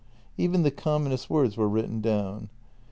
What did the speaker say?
Even the commonest words were written down.